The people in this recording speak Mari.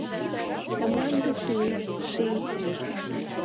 Ты мланде тул, ший…